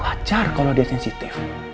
wajar kalo dia sensitif